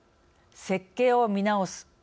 設計を見直す。